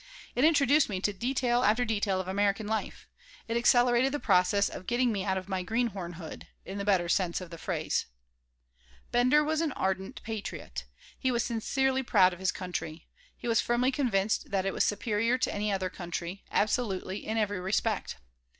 It introduced me to detail after detail of American life. It accelerated the process of "getting me out of my greenhornhood" in the better sense of the phrase Bender was an ardent patriot. He was sincerely proud of his country. He was firmly convinced that it was superior to any other country, absolutely in every respect.